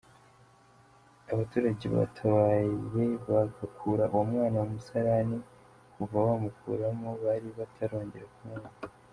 Abaturage batabaye bagakura uwo mwana mu musarani, kuva bamukuramo bari batarongera kumubona.